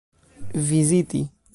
viziti